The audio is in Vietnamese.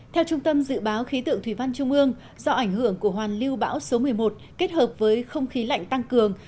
theo trung tâm dự báo khí tượng thủy văn trung ương do ảnh hưởng của hoàn lưu bão số một mươi một kết hợp với không khí lạnh tăng cường